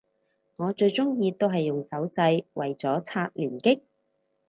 我最鍾意都係用手掣為咗刷連擊